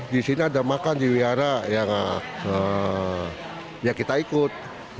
di sini ada makan di wihara yang kita ikut